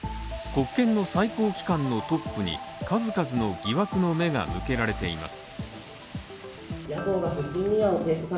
国権の最高機関のトップに数々の疑惑の目が向けられています。